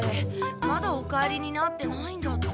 まだお帰りになってないんだって。